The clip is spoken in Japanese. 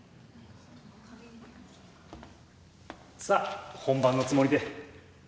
さあ本番のつもりで。